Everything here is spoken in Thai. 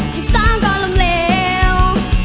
ที่สร้างกรรมเลียว